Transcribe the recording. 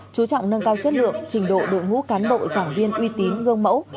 chú trọng nâng cao chất lượng trình độ đội ngũ cán bộ giảng viên uy tín gương mẫu